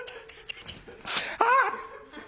あっ！